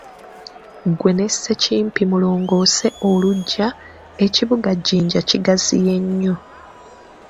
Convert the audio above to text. Ggwe ne Ssekimpi mulongoose oluggya, ekibuga jjinja kigaziye nnyo.